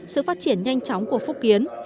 sự phát triển nhanh chóng của phúc kiến